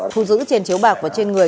thu giữ trên chiếu bạc và trên người